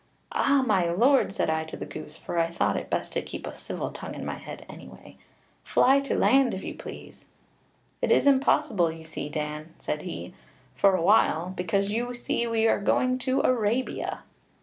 'Ah, my lord,' said I to the goose, for I thought it best to keep a civil tongue in my head any way, 'fly to land if you please.' 'It is impossible, you see, Dan,' said he, 'for a while, because you see we are going to Arabia.'